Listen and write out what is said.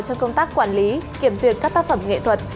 trong công tác quản lý kiểm duyệt các tác phẩm nghệ thuật